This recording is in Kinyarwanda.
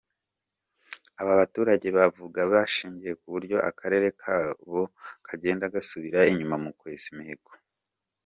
Aba baturage babivuga bashingiye ku buryo Akarere kabo kagenda gasubira inyuma mu kwesa imihigo.